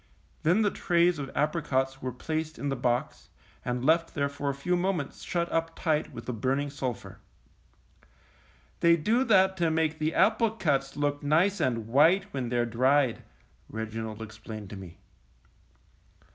Then the trays of apricots were placed in the box, and left there for a few moments shut up|tight with the burning sulphur. ^^They do that to make the applecuts look nice and white when they're dried," Reginald explained to me.